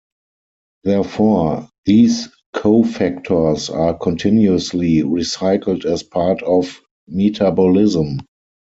Therefore, these cofactors are continuously recycled as part of metabolism.